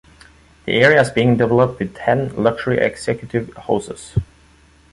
The area is being developed with ten luxury executive houses.